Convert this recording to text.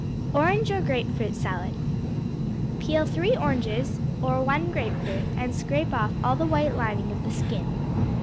Orange or Grapefruit Salad Peel three oranges or one grapefruit, and scrape off all the white lining of the skin.